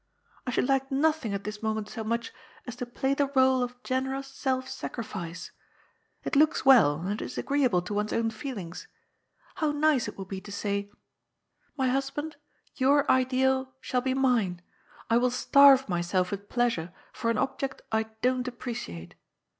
I should like nothing at this moment so much as to play the rdle of generous self sacrifice. It 1 ELIAS'S EYES OPEN UPON THE WORLD. 257 looks well, and it is agreeable to one's own feelings. How nice it would be to say :^ My husband, your ideal shall be mine. I will starve myself with pleasure for an object I don't appreciate.'